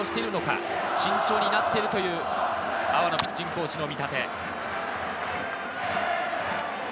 そのあたりも影響しているのか、慎重になっているという阿波野ピッチングコーチの見立て。